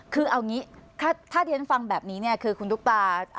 คือเอางี้ถ้าที่ฉันฟังแบบนี้เนี่ยคือคุณตุ๊กตา